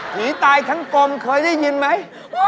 ตายทั้งกลมเคยได้ยินไหม